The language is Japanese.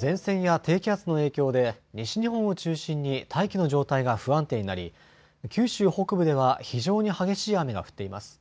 前線や低気圧の影響で西日本を中心に大気の状態が不安定になり九州北部では非常に激しい雨が降っています。